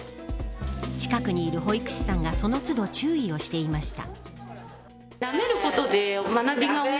近くにいる保育士さんがその都度注意をしていました。